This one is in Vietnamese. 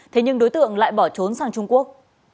thế nhưng đối tượng lại bỏ trốn sang trung quốc